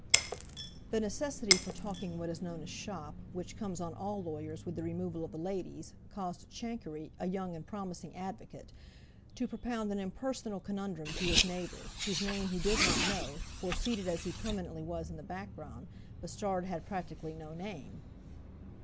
The necessity for talking what is known as "shop," which comes on all lawyers with the removal of the ladies, caused Chankery, a young and promising advocate, to propound an impersonal conundrum to his neighbour, whose name he did not know, for, seated as he permanently was in the background, Bustard had practically no name.